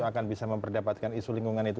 akan bisa memperdapatkan isu lingkungan itu